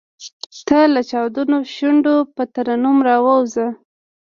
تۀ لۀ چاودلو شونډو پۀ ترنم راووځه !